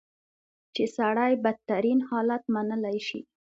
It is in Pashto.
چې سړی بدترین حالت منلی شي.